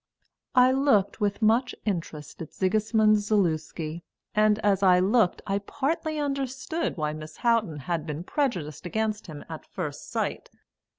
I looked with much interest at Sigismund Zaluski, and as I looked I partly understood why Miss Houghton had been prejudiced against him at first sight.